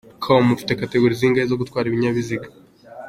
com : Ufite Categorie zingahe zo gutwara ibinyabiziga ?.